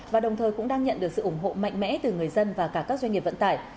và đồng thời cũng đang nhận được sự ủng hộ mạnh mẽ từ người dân và cả các doanh nghiệp vận tải